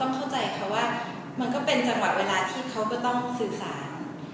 เราก็ต้องเข้าใจว่ามันก็เป็นจังหวะเวลาที่เขาก็ต้องสื่อสาร